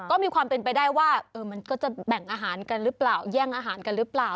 ก็มีความเป็นไปได้ว่ามันก็จะแบ่งอาหารกันหรือเปล่า